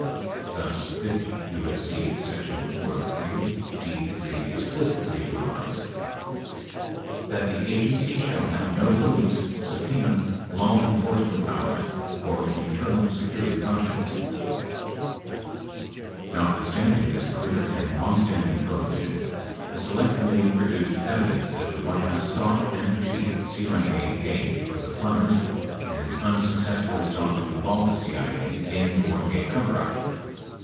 Thus, 50 U.S.C. sec. 403(d) (3) explicitly provides: That the Agency shall have no police, subpena, law enforce ment powers, or internal security functions ... Notwithstanding this clear and longstanding prohibition, the Select Committee produced evidence that the White House sought and achieved CIA aid for the Plumbers and unsuccessfully sought to in volve the CIA in the Watergate coverup.